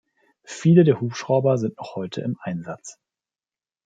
Viele der Hubschrauber sind noch heute im Einsatz.